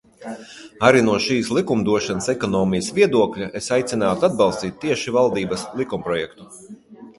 Arī no šīs likumdošanas ekonomijas viedokļa es aicinātu atbalstīt tieši valdības likumprojektu.